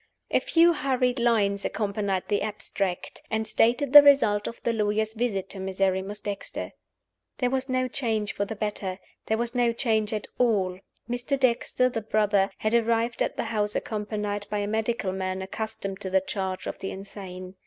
A few hurried lines accompanied the "abstract," and stated the result of the lawyer's visit to Miserrimus Dexter. There was no change for the better there was no change at all. Mr. Dexter, the brother, had arrived at the house accompanied by a medical man accustomed to the charge of the insane.